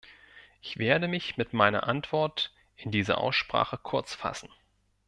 Ich werde mich mit meiner Antwort in dieser Aussprache kurz fassen.